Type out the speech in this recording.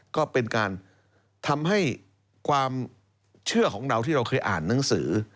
ก็เป็นการทำให้ความเชื่อของเราที่เราเคยอ่านหนังสือ